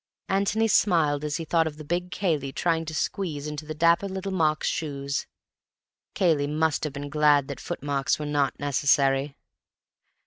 Antony smiled as he thought of the big Cayley trying to squeeze into the dapper little Mark's shoes. Cayley must have been glad that footmarks were not necessary.